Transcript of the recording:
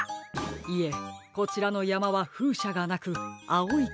いえこちらのやまはふうしゃがなくあおい